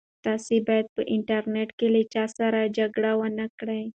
تاسي باید په انټرنيټ کې له چا سره جګړه ونه کړئ.